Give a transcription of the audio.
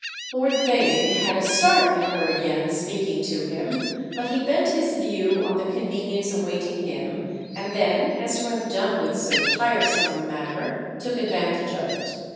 Lord Theign had a start at her again speaking to him; but he bent his view on the convenience awaiting him and then, as to have done with so tiresome a matter, took advantage of it.